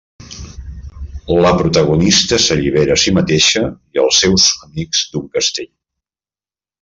La protagonista s'allibera a si mateixa i els seus amics d'un castell.